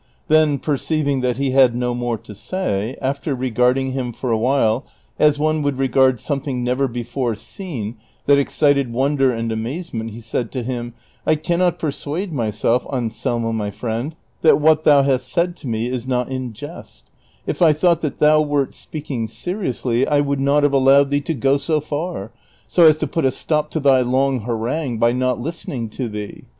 Then perceiving that he had no more to say, after regarding him for a while, as one would regard something never before seen that excited wonder and amazement, he said to him, " I can not persuade myself, Anselmo my friend, that what thou hast said to me is not in jest; if 1 thought that thou wert speaking seriously I would not have allowed thee to go so far ; so as to put a stop to thy long harangue by not listening to thee.